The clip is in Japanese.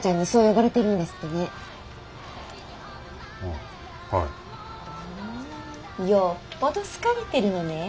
ふんよっぽど好かれてるのねえ。